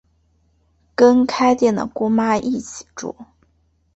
跟开店的姑妈一起住